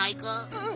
うん。